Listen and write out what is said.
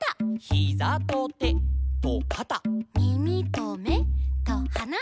「ヒザとてとかた」「みみとめとはな」